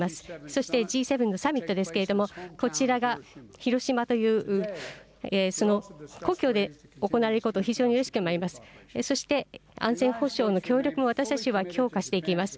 そしてＧ７のサミットですけれども、こちらが広島という、その故郷で行われることを非常にうれしく思います。